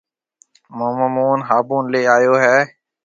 مومو موهن هابُڻ ليَ آئيو هيَ۔